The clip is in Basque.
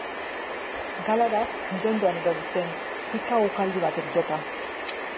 Galard nire ondoan erori zen, pika ukaldi batek jota.